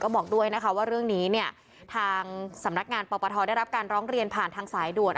บอกด้วยนะคะว่าเรื่องนี้เนี่ยทางสำนักงานปปทได้รับการร้องเรียนผ่านทางสายด่วน